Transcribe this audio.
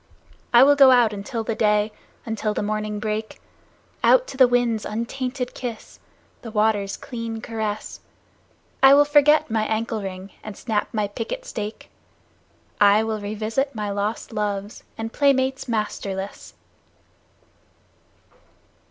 I will go out until the day, until the morning break Out to the wind's untainted kiss, the water's clean caress; I will forget my ankle ring and snap my picket stake. I will revisit my lost loves, and playmates masterless!